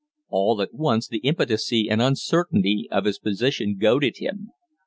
All at once the impotency and uncertainty of his position goaded him.